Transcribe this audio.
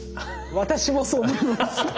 私もそう思います。